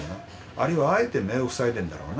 あるいはあえて目を塞いでるんだろうな。